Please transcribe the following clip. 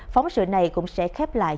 phóng sự này cũng sẽ khép lại